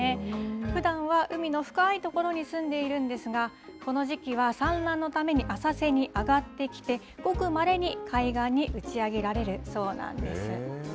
ふだんは海の深い所に住んでいるんですが、この時期は産卵のために浅瀬に上がってきて、ごくまれに海岸に打ち上げられるそうなんです。